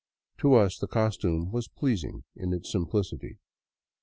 To us the costume was pleasing in its simplicity.